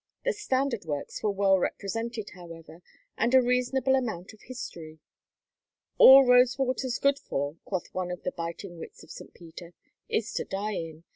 The standard works were well represented, however, and a reasonable amount of history. "All Rosewater's good for," quoth one of the biting wits of St. Peter, "is to die in.